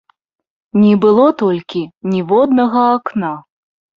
Не было толькі ніводнага акна.